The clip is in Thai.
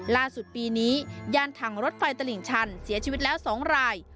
ล่าสุดปีนี้ย่านถังรถไฟตลิ่งชันเสียชีวิตแล้ว๒ราย